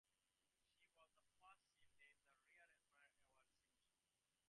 She was the first ship named for Rear Admiral Edward Simpson.